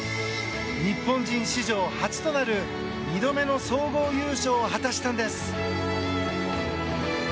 日本人史上初となる２度目の総合優勝を果たしたんです。